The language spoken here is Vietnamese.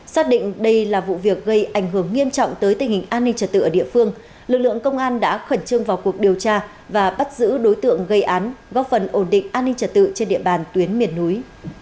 xác định đây là vụ việc gây ảnh hưởng nghiêm trọng tới tình hình an ninh trật tự ở địa phương lực lượng công an đã khẩn trương vào cuộc điều tra và bắt giữ đối tượng gây án góp phần ổn định an ninh trật tự trên địa bàn tuyến miền núi